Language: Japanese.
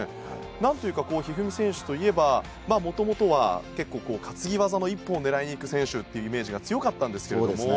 何というか一二三選手といえばもともとは結構、担ぎ技の一本を狙いにいく選手というイメージが強かったんですけど。